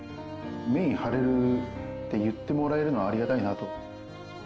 メイン張れるって言ってもらえるのはありがたいなと。